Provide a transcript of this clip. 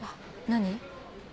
何？